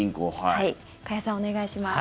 加谷さん、お願いします。